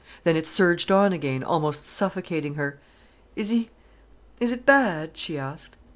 Then it surged on again, almost suffocating her. "Is he—is it bad?" she asked.